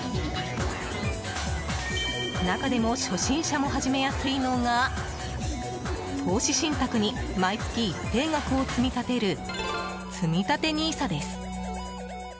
中でも初心者も始めやすいのが投資信託に毎月一定額を積み立てるつみたてＮＩＳＡです。